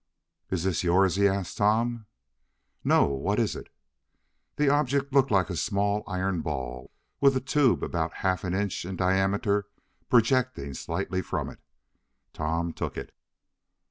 "Is this yours?" he asked Tom. "No. What is it?" The object looked like a small iron ball, with a tube about half an inch in diameter projecting slightly from it. Tom took it.